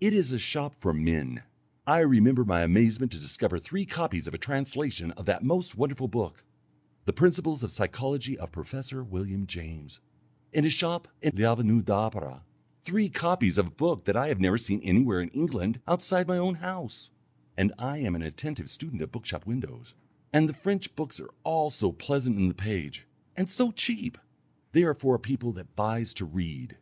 It is a shop for men. I remember my amazement to discover three copies of a translation of that most wonderful book, the Text book of Psychology of Professor William James,[ERRATUM: for 'The Text Book of Psychology,' read 'The Principles of Psychology'.] in a shop in L'Avenue de l'Opera three copies of a book that I have never seen anywhere in England outside my own house, and I am an attentive student of bookshop windows! And the French books are all so pleasant in the page, and so cheap they are for a people that buys to read.